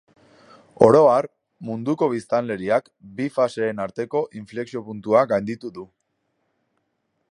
Oro har, munduko biztanleriak bi faseen arteko inflexio-puntua gainditu du.